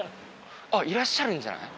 あっいらっしゃるんじゃない？